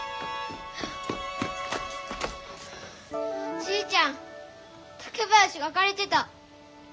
じいちゃん竹林がかれてた！